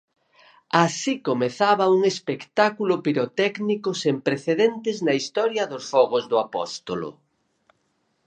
Así comezaba un espectáculo pirotécnico sen precedentes na historia dos Fogos do Apóstolo.